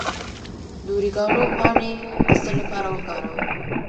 د اوریګانو پاڼې د څه لپاره وکاروم؟